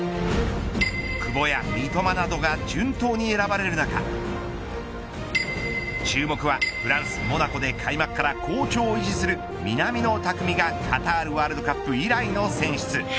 久保や三笘などが順当に選ばれる中注目はフランス、モナコで開幕から好調を維持する南野拓実がカタールワールドカップ以来の選出。